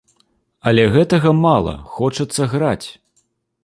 Але гэтага мала, хочацца граць!